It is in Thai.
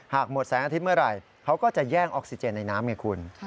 หากหมดแสงอาทิตย์เมื่อไหร่เขาก็จะแย่งออกซิเจนในน้ำไงคุณ